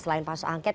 selain pak soe angket